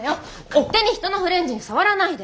勝手に人のフレンズに触らないで。